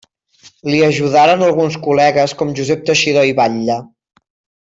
L'hi ajudaren alguns col·legues com Josep Teixidor i Batlle.